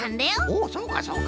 おそうかそうか。